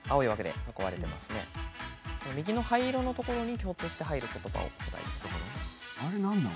右の灰色のところに共通して入ることばを答えてください。